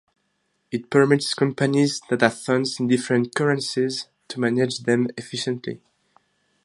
It permits companies that have funds in different currencies to manage them efficiently.